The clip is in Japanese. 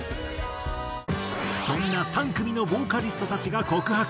そんな３組のボーカリストたちが告白。